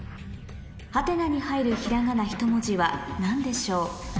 ハテナに入るひらがなひと文字は何でしょう？